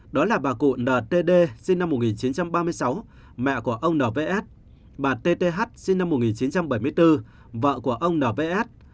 đó là bà cụ ntd sinh năm một nghìn chín trăm ba mươi sáu mẹ của ông nvs bà tth sinh năm một nghìn chín trăm bảy mươi bốn vợ của ông nvs